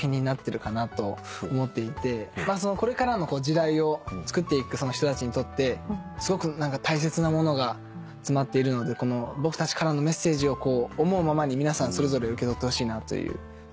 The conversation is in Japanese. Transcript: これからの時代をつくっていく人たちにとってすごく大切なものが詰まっているので僕たちからのメッセージを思うままに皆さんそれぞれ受け取ってほしいなという。